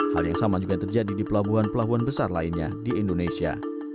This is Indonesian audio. hal yang sama juga terjadi di pelabuhan pelabuhan besar lainnya di indonesia